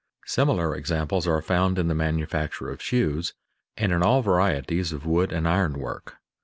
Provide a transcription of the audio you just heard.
Similar examples are found in the manufacture of shoes, and in all varieties of wood and iron work.